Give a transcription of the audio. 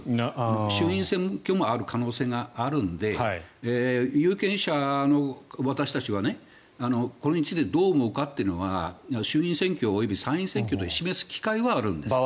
衆院選もある可能性があるので有権者の私たちは、これについてどう思うかというのは衆院選挙及び参院選挙で示す機会はあるんです。